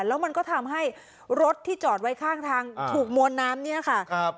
แล้วมันก็ทำให้รถที่จอดไว้ข้างทางถูกมวลน้ำเนี่ยค่ะครับ